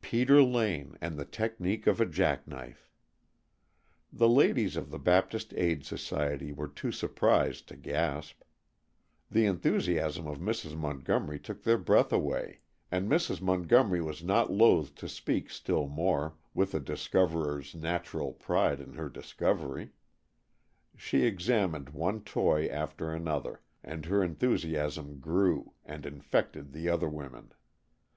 Peter Lane and the technique of a jack knife! The ladies of the Baptist Aid Society were too surprised to gasp. The enthusiasm of Mrs. Montgomery took their breath away, and Mrs. Montgomery was not loth to speak still more, with a discoverer's natural pride in her discovery. She examined one toy after another, and her enthusiasm grew, and infected the other women.